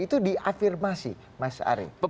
itu diafirmasi mas arief